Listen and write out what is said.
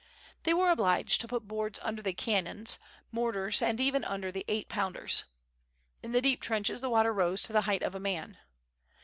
They were obliged to put boards under the cannons, mortars, and even under the eight pounders. In the deep trenches the water rose to the height of a man.